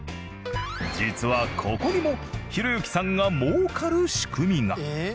実はここにもひろゆきさんが儲かる仕組みが。